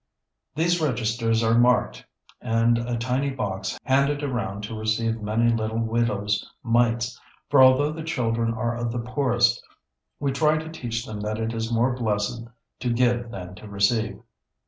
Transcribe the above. These registers are marked and a tiny box handed around to receive many little widows' mites, for although the children are of the poorest, we try to teach them that it is more blessed to give than to receive.